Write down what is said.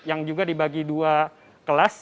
yang juga dibagi dua kelas